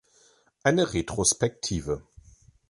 Eine Retrospektive.